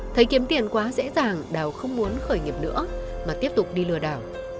thấy kiếm tiền quá dễ dàng đào không muốn khởi nghiệp nữa mà tiếp tục đi lừa đảo